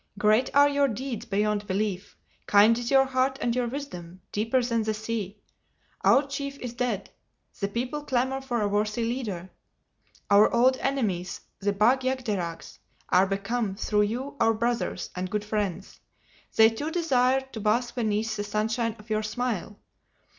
Great are your deeds beyond belief, kind is your heart and your wisdom, deeper than the sea. Our chief is dead. The people clamor for a worthy leader. Our old enemies, the Bag jagderags are become, through you, our brothers and good friends. They too desire to bask beneath the sunshine of your smile.